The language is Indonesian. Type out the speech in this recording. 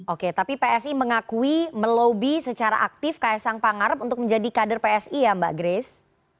oke tapi psi mengakui melobi secara aktif kaisang pangarep untuk menjadi kader psi ya mbak grace